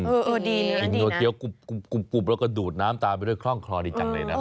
เออดีนะดีนะโดดเร็วก็ดูดน้ำตาไปด้วยข้องคลอดีจังเลยนะ